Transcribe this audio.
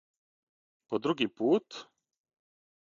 По други пут?